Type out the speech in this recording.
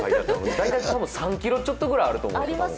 大体３ｋｇちょっとあると思います。